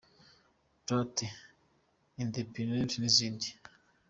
Plate, Indepiendiente n’izindi.